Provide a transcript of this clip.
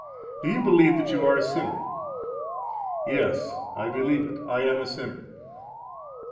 Do you believe that you are a sinner? Yes, I believe it. I am a sinner.